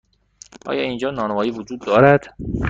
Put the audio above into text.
آیا اینجا نانوایی وجود دارد؟